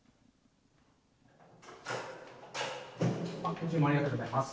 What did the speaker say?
・ご注文ありがとうございます。